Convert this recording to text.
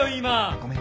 ごめん。